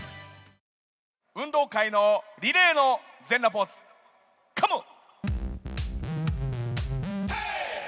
運動会のリレーの全裸ポーズ、カモン。